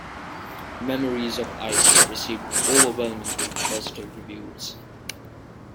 Memories of Ice received overwhelmingly positive reviews.